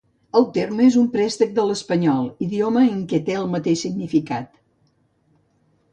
El terme és un préstec de l'espanyol, idioma en què té el mateix significat.